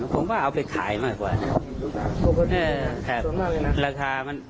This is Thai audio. ผมว่าเอาไปขายมากกว่านะเออค่ะส่วนมากเลยนะราคามัน